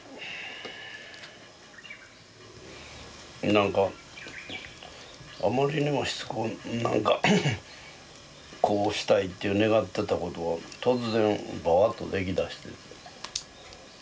・なんかあまりにもしつこくなんかこうしたいって願ってたことが突然バーッと出来だして。